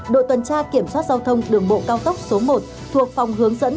đội tuần tra kiểm soát giao thông đường bộ cao tốc số một thuộc phòng hướng dẫn